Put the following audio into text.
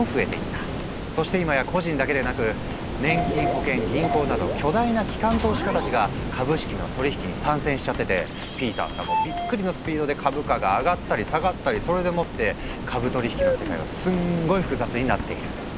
そして今や個人だけでなく年金保険銀行など巨大な機関投資家たちが株式の取り引きに参戦しちゃっててピーターさんもびっくりのスピードで株価が上がったり下がったりそれでもって株取り引きの世界はすんごい複雑になっている。